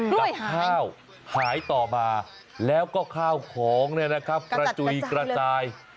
กับข้าวหายต่อมาแล้วก็ข้าวของเนี่ยนะครับกระจุยกระจาย